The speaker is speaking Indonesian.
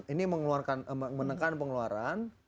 ini menekan pengeluaran